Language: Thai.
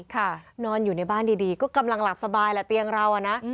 นอนอยู่ในบ้านดีก็กำลังหลับสบายแหละเตียงเราอะนะ